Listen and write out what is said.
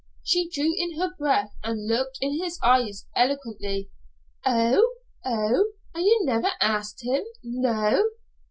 She drew in her breath and looked in his eyes eloquently. "Oh! Oh! And you never asked him? No?"